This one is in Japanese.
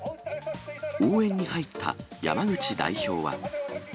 応援に入った山口代表は。